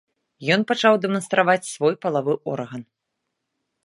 Ён пачаў дэманстраваць свой палавы орган.